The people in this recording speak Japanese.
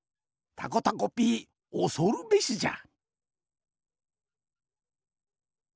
たこたこピーおそるべしじゃ。